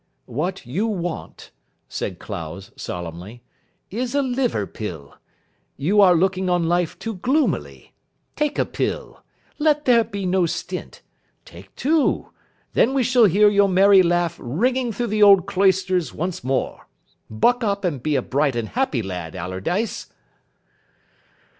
"What you want," said Clowes solemnly, "is a liver pill. You are looking on life too gloomily. Take a pill. Let there be no stint. Take two. Then we shall hear your merry laugh ringing through the old cloisters once more. Buck up and be a bright and happy lad, Allardyce."